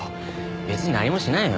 別に何もしないよ。